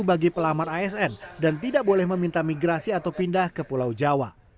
bagi pelamar asn dan tidak boleh meminta migrasi atau pindah ke pulau jawa